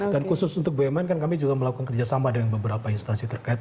dan khusus untuk bumn kan kami juga melakukan kerjasama dengan beberapa instansi terkait